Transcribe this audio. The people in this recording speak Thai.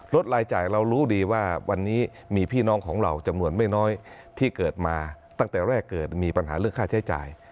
รายจ่ายเรารู้ดีว่าวันนี้มีพี่น้องของเราจำนวนไม่น้อยที่เกิดมาตั้งแต่แรกเกิดมีปัญหาเรื่องค่าใช้จ่าย